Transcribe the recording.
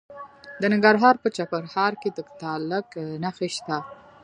د ننګرهار په چپرهار کې د تالک نښې شته.